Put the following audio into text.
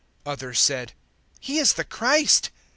007:041 Others said, "He is the Christ."